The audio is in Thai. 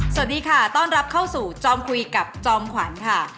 สวัสดีค่ะต้อนรับเข้าสู่จอมคุยกับจอมขวัญค่ะ